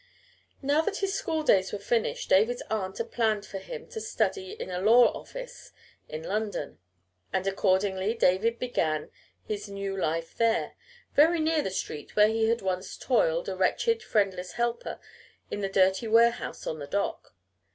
Now that his school days were finished David's aunt had planned for him to study law in an office in London, and accordingly David began his new life there, very near the street where he had once toiled, a wretched, friendless helper, in the dirty warehouse on the dock.